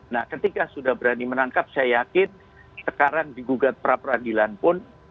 nah ketika sudah berani menangkap saya yakin sekarang digugat pra peradilan pun